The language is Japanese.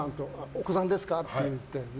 お子さんですかって言って。